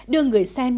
đưa người xem